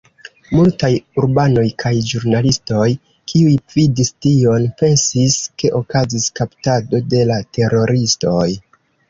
Multaj urbanoj kaj ĵurnalistoj, kiuj vidis tion, pensis ke okazis kaptado de la teroristoj.